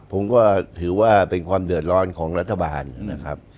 ผมก็ถือว่าเป็นความเดือดร้อนของรัฐบาลนะครับ